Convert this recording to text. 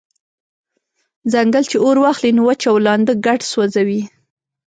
« ځنګل چی اور واخلی نو وچ او لانده ګډ سوځوي»